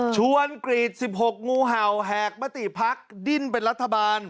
กรีด๑๖งูเห่าแหกมติพักดิ้นเป็นรัฐบาล